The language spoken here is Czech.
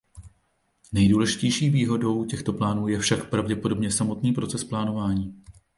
Nejdůležitější výhodou těchto plánů je však pravděpodobně samotný proces plánování.